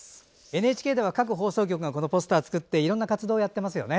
ＮＨＫでは各放送局がこのポスターを作っていろんな活動をされていますね。